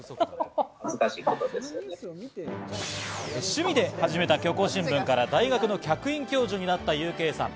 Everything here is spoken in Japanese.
趣味で始めた虚構新聞から大学の客員教授になったＵＫさん。